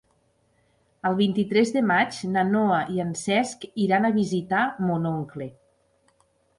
El vint-i-tres de maig na Noa i en Cesc iran a visitar mon oncle.